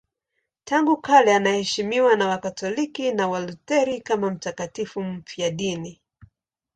Tangu kale anaheshimiwa na Wakatoliki na Walutheri kama mtakatifu mfiadini.